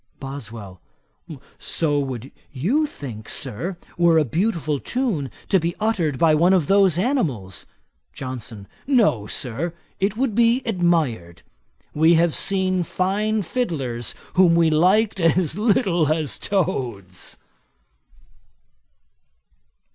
BOSWELL. 'So you would think, Sir, were a beautiful tune to be uttered by one of those animals.' JOHNSON. 'No, Sir, it would be admired. We have seen fine fiddlers whom we liked as little as toads.'